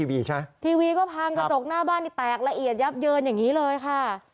ทีวีก็พังกระจกหน้าบ้านนี่แตกละเอียดยับเยินอย่างนี้เลยค่ะ